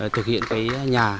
thực hiện cái nhà